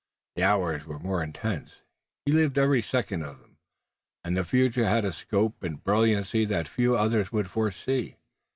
The hours were more intense, he lived every second of them, and the future had a scope and brilliancy that few others would foresee.